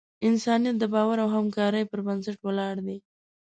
انسانیت د باور او همکارۍ پر بنسټ ولاړ دی.